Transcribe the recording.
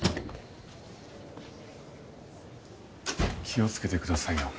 気をつけてくださいよ。